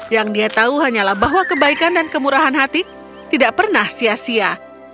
yang dia tahu hanyalah bahwa kebaikan dan kemurahan hati tidak pernah sia sia